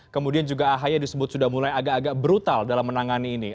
kemudian juga ahi disebut sudah mulai agak agak brutal dalam menangani ini